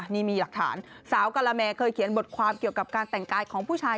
นี่มีหลักฐานสาวกะละแมเคยเขียนบทความเกี่ยวกับการแต่งกายของผู้ชาย